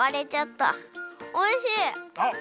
あっ！